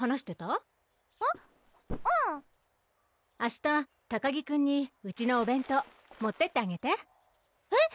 うん明日高木くんにうちのお弁当持ってってあげてえっ？